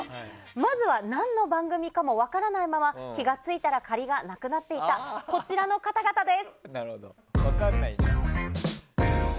まずは何の番組かも分からないまま気が付いたら仮がなくなっていたこちらの方々です。